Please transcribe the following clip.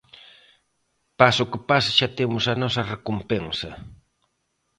Pase o que pase xa temos a nosa recompensa.